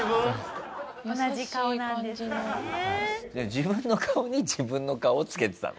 自分の顔に自分の顔をつけてたの？